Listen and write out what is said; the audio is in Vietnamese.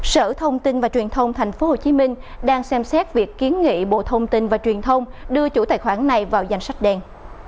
sở thông tin và truyền thông tp hcm đang xem xét việc kiến nghị bộ thông tin và truyền thông đưa chủ tài khoản này vào danh sách đen